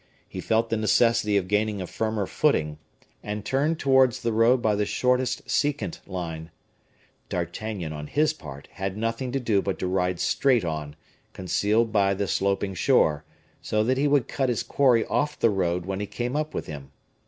He felt the necessity of gaining a firmer footing, and turned towards the road by the shortest secant line. D'Artagnan, on his part, had nothing to do but to ride straight on, concealed by the sloping shore; so that he would cut his quarry off the road when he came up with him.